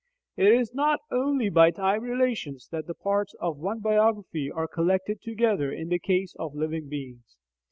It is not only by time relations that the parts of one biography are collected together in the case of living beings.